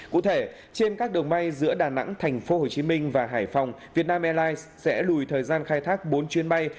cụ thể trên các đường bay giữa đà nẵng tp hcm và hải phòng việt nam airlines sẽ lùi thời gian khai thác bốn chuyến bay